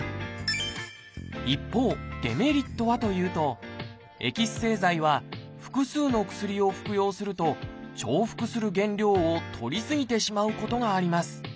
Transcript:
一方デメリットはというとエキス製剤は複数の薬を服用すると重複する原料をとり過ぎてしまうことがあります。